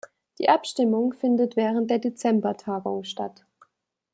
Die Abstimmung findet während der Dezember-Tagung statt.